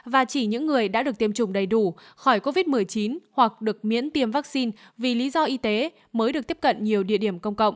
và chỉ những người đã được tiêm chủng đầy đủ khỏi covid một mươi chín hoặc được miễn tiêm vaccine vì lý do y tế mới được tiếp cận nhiều địa điểm công cộng